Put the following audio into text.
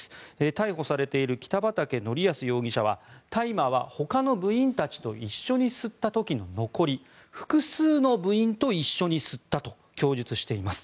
逮捕されている北畠成文容疑者は大麻はほかの部員たちと一緒に吸った時の残り複数の部員と一緒に吸ったと供述しています。